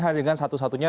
hanya dengan satu satunya